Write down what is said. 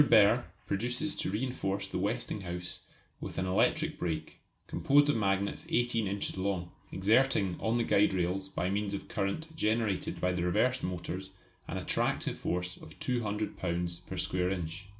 Behr proposes to reinforce the Westinghouse with an electric brake, composed of magnets 18 inches long, exerting on the guide rails by means of current generated by the reversed motors an attractive force of 200 lbs. per square inch.